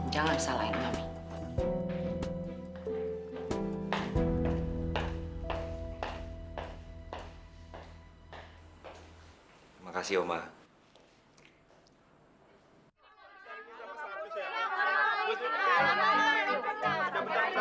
jangan salahkan papi